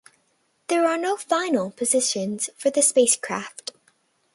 There are no "final" positions for the spacecraft.